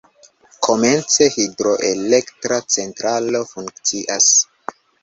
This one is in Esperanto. Komence hidroelektra centralo funkcias.